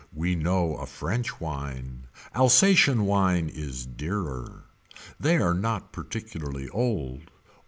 We know a french wine. Alsatian wine is dearer. They are not particularly old.